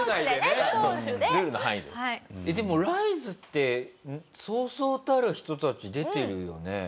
でもＲＩＳＥってそうそうたる人たち出てるよね？